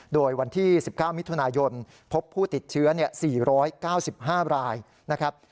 โดยวันที่๑๙มิถุนายนพบผู้ติดเชื้อ๔๙๕รายนะครับ